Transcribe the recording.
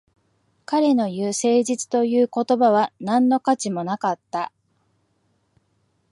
彼の言う誠実という言葉は何の価値もなかった